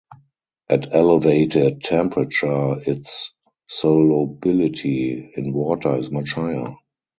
At elevated temperature its solubility in water is much higher.